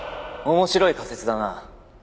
面白い仮説だな。